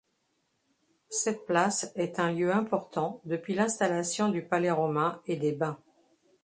Cette place est un lieu important depuis l'installation du palais romain et des bains.